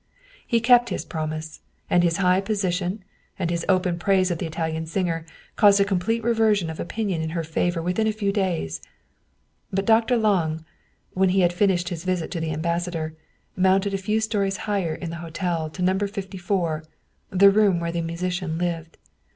He kept his promise, and his high position, and his open praise of the Italian singer caused a complete reversion of opinion in her favor within a few days. But Dr. Lange, when he had finished his visit to the ambassador, mounted a few stories higher in the hotel to No. 54, the room where the musician lived.